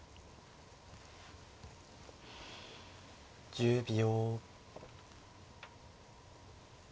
１０秒。